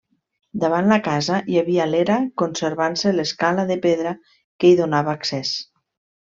Davant la casa hi havia l'era, conservant-se l'escala de pedra que hi donava accés.